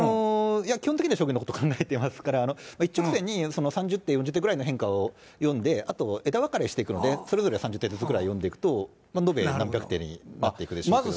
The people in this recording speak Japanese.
基本的には将棋のことを考えていますから、一直線に３０手、４０手ぐらいの変化を読んで、あと枝分かれしていくので、それぞれ３０手ぐらい読んでいくと、延べ何百手になっていくでしょうけれども。